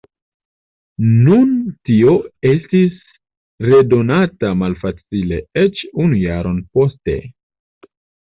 Nun tio estis redonata malfacile, eĉ unu jaron poste.